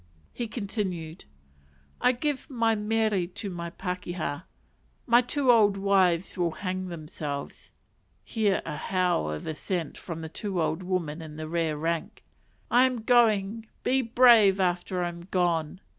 He continued "I give my mere to my pakeha," "my two old wives will hang themselves," (here a howl of assent from the two old women in the rear rank) "I am going; be brave after I am gone."